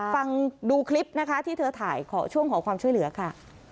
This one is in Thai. ฟังดูคลิปนะคะที่เธอถ่ายขอช่วงขอความช่วยเหลือค่ะ